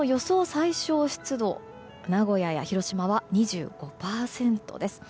最小湿度名古屋は広島は２５％です。